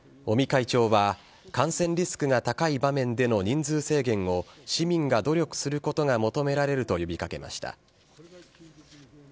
尾身会長は、感染リスクが高い場面での人数制限を、市民が努力することが求められると呼びかけました。